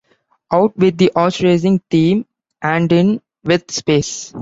Out with the horse-racing theme and in with space.